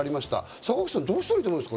坂口さん、どうしたらいいと思いますか？